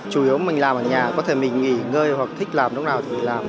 chủ yếu mình làm ở nhà có thể mình nghỉ ngơi hoặc thích làm lúc nào thì làm